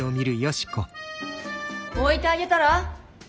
置いてあげたら？